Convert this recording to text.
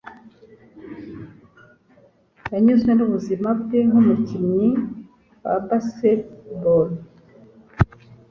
Yanyuzwe nubuzima bwe nkumukinnyi wa baseball.